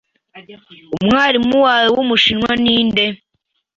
Umwarimu wawe wumushinwa ninde?